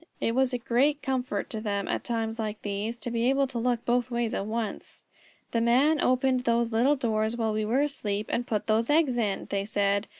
It was a great comfort to them at times like these to be able to look both ways at once. "The Man opened those little doors while we were asleep, and put those eggs in," they said.